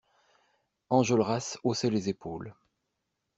Enjolras haussait les épaules.